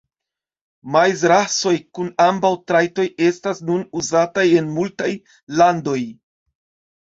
Maizrasoj kun ambaŭ trajtoj estas nun uzataj en multaj landoj.